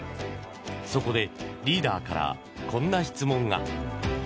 そこで、リーダーからこんな質問が。